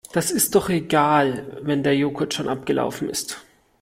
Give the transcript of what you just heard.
Das ist doch egal wenn der Joghurt schon abgelaufen ist.